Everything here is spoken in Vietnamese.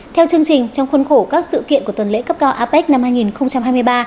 theo chương trình trong khuôn khổ các sự kiện của tuần lễ cấp cao apec năm hai nghìn hai mươi ba